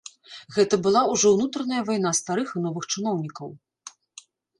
Гэта была ўжо ўнутраная вайна старых і новых чыноўнікаў.